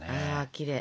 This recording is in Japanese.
きれい。